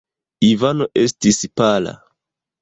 Ivano estis pala.